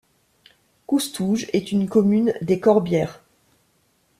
Coustouge est une commune des Corbières.